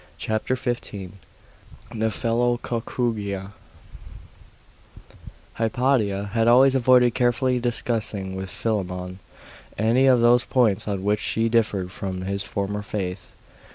CHAPTER XV: NEPHELOCOCCUGIA Hypatia had always avoided carefully discussing with Philammon any of those points on which she differed from his former faith.